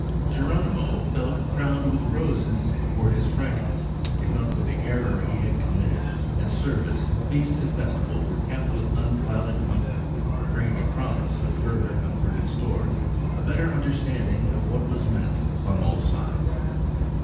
Geronimo felt crowned with roses, for his frankness, if not for the error he had committed; and service, feast, and festival were kept with unclouded comfort, bringing a promise of further comfort in store–a better understanding of what was meant on all sides.